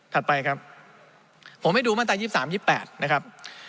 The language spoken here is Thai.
ถัดไปครับผมให้ดูมาตรายีบ๓มาตรายีบ๘นะครับ